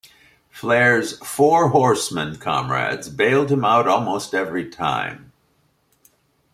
Flair's Four Horsemen comrades bailed him out almost every time.